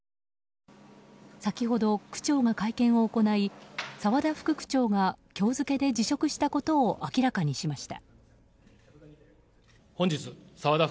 先ほど、区長が会見を行い沢田副区長が今日付で辞職したことを明らかにしました。